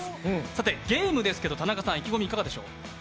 さてゲームですけど、田中さん、意気込みいかがでしょう？